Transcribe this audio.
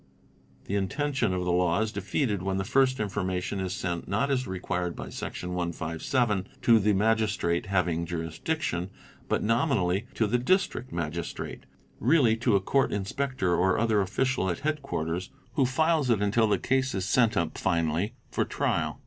The intention of the law is defeated when the first infor " mation is sent, not as required by Section 157 to the Magistrate having ; jurisdiction, but nominally to the District Magistrate, really to a Court _ Inspector or other official at headquarters, who files it until the case is sent up finally for trial.